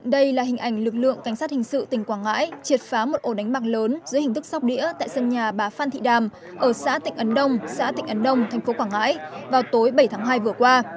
đây là hình ảnh lực lượng cảnh sát hình sự tỉnh quảng ngãi triệt phá một ổ đánh bạc lớn dưới hình thức sóc đĩa tại sân nhà bà phan thị đàm ở xã tịnh ấn đông xã tịnh ấn đông thành phố quảng ngãi vào tối bảy tháng hai vừa qua